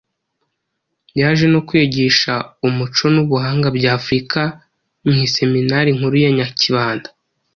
Yaje no kwigisha umuco n’ubuhanga bya Afurika mu Seminari nkuru ya Nyakibanda